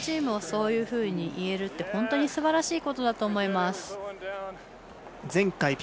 自分のチームをそういうふうにいえるって本当にすばらしいことだと思います。